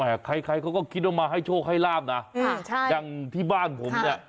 ใครใครเขาก็คิดว่ามาให้โชคให้ลาบนะค่ะใช่อย่างที่บ้านผมเนี่ย